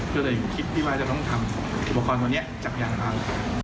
เพื่อได้คลิปที่ว่าจะต้องทำอุปกรณ์วันนี้จักรอย่างนั้น